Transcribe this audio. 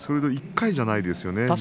１回ではないんですよね。